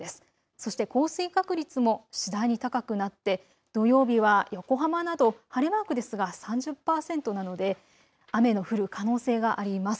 そして降水確率も次第に高くなって土曜日は横浜など晴れマークですが３０％なので雨の降る可能性があります。